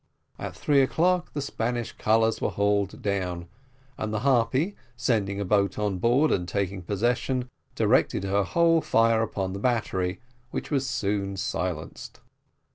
At three o'clock the Spanish colours were hauled down, and the Harpy, sending a boat on board and taking possession, directed her whole fire upon the battery, which was soon silenced.